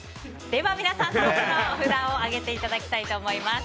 では皆さん、そろそろ札を上げていただきたいと思います。